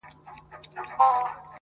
ورور گلوي له مظلومانو سره وایي!